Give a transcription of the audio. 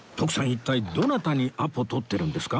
一体どなたにアポ取ってるんですか？